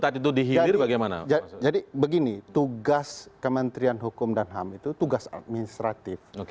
tadi itu dihilir bagaimana jadi begini tugas kementerian hukum dan ham itu tugas administratif